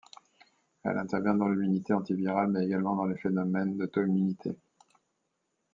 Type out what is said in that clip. Elle intervient dans l'immunité anti-virale mais également dans les phénomènes d'autoimmunité.